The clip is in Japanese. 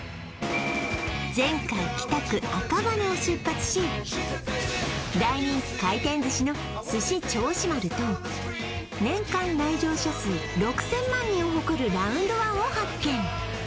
前回北区赤羽を出発し大人気回転寿司のすし銚子丸と年間来場者数６０００万人を誇るラウンドワンを発見